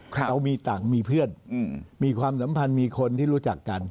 เรามีต่างมีเพื่อนมีความสัมพันธ์มีคนที่รู้จักกัน